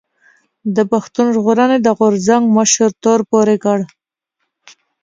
د پښتون ژغورنې د غورځنګ مشر تور پورې کړ